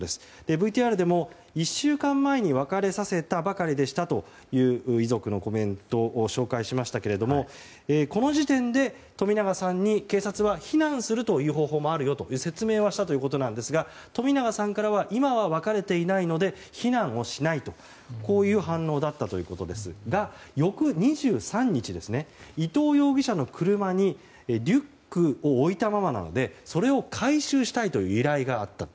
ＶＴＲでも、１週間前に別れさせたばかりでしたという遺族のコメントを紹介しましたけれどもこの時点で冨永さんに警察は避難するという方法もあると説明はしたということですが冨永さんからは今は別れていないので避難をしないとこういう反応だったということですが翌２３日、伊藤容疑者の車にリュックを置いたままなのでそれを回収したいという依頼があった。